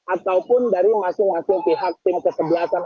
ataupun dari masing masing pihak tim kesebelasan